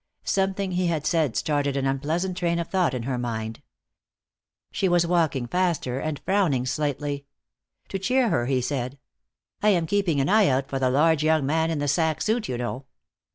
Something he had said started an unpleasant train of thought in her mind. She was walking faster, and frowning slightly. To cheer her he said: "I am keeping an eye out for the large young man in the sack suit, you know.